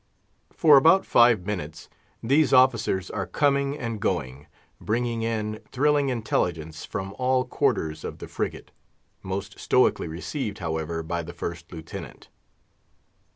For about five minutes these officers are coming and going, bringing in thrilling intelligence from all quarters of the frigate; most stoically received, however, by the First Lieutenant.